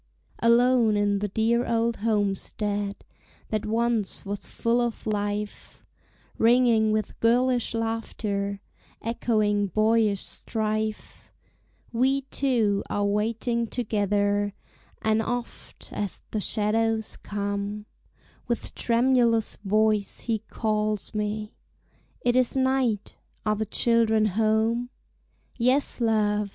Alone in the dear old homestead That once was full of life, Ringing with girlish laughter, Echoing boyish strife, We two are waiting together; And oft, as the shadows come, With tremulous voice he calls me, "It is night! are the children home?" "Yes, love!"